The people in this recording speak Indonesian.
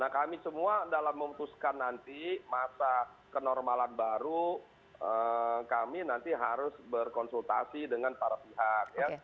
nah kami semua dalam memutuskan nanti masa kenormalan baru kami nanti harus berkonsultasi dengan para pihak